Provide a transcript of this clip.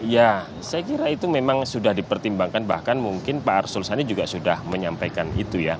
ya saya kira itu memang sudah dipertimbangkan bahkan mungkin pak arsul sani juga sudah menyampaikan itu ya